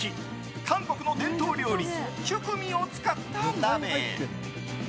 韓国の伝統料理チュクミを使った鍋。